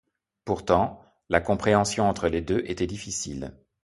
Pourtant, la compréhension entre les deux était difficile.